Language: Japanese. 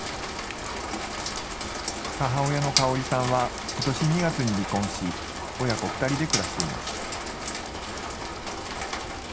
母親の香さんはことし２月に離婚し、親子２人で暮らしています。